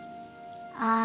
ああ。